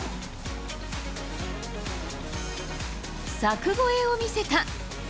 柵越えを見せた。